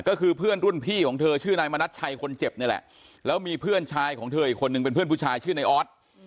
ก็คือเพื่อนรุ่นพี่ของเธอชื่อนายมณัชชัยคนเจ็บนี่แหละแล้วมีเพื่อนชายของเธออีกคนนึงเป็นเพื่อนผู้ชายชื่อในออส